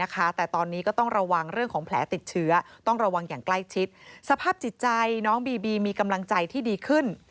ใกล้ชิดสภาพจิตใจน้องบีบีมีกำลังใจที่ดีขึ้น